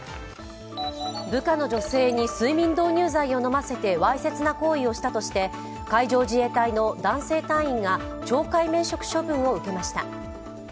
部下の女性に睡眠導入剤を飲ませてわいせつな行為をしたとして海上自衛隊の男性隊員が懲戒免職処分を受けました。